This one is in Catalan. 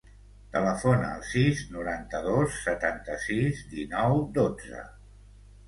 Telefona al sis, noranta-dos, setanta-sis, dinou, dotze.